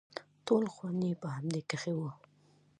ټول خوند يې په همدې کښې و.